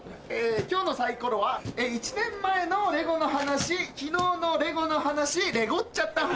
今日のサイコロは「１年前のレゴの話」「昨日のレゴの話」「レゴっちゃった話」